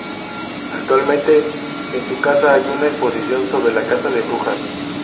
Actualmente, en su casa, hay una exposición sobre la caza de brujas.